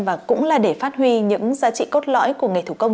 và cũng là để phát huy những giá trị cốt lõi của nghề thủ công